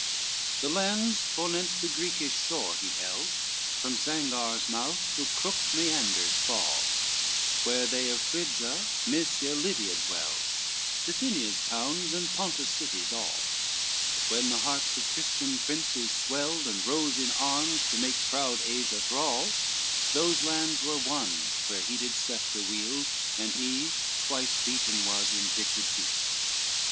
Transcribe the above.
IV The lands forenenst the Greekish shore he held, From Sangar's mouth to crooked Meander's fall, Where they of Phrygia, Mysia, Lydia dwelled, Bithynia's towns, and Pontus' cities all: But when the hearts of Christian princes swelled, And rose in arms to make proud Asia thrall, Those lands were won where he did sceptre wield And he twice beaten was in pitched field.